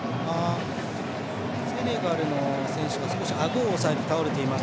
セネガルの選手があごを押さえて、倒れています。